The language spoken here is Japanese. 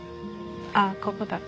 ああここだった。